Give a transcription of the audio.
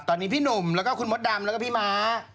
ตอนนี้พี่หนุ่มแล้วก็คุณมดดำแล้วก็พี่ม้า